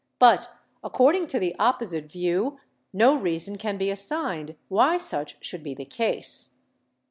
But according to the opposite view no reason can be assigned why such should be the case."